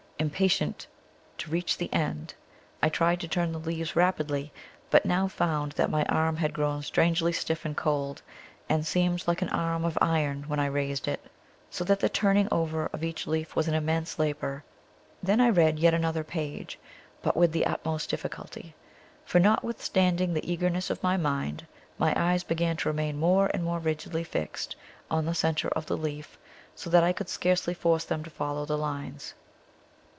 Impatient to reach the end, I tried to turn the leaves rapidly, but now found that my arm had grown strangely stiff and cold, and seemed like an arm of iron when I raised it, so that the turning over of each leaf was an immense labor. Then I read yet another page, but with the utmost difficulty; for, notwithstanding the eagerness of my mind, my eyes began to remain more and more rigidly fixed on the center of the leaf, so that I could scarcely force them to follow the lines.